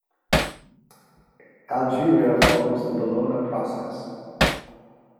Algeria follows the Bologna process.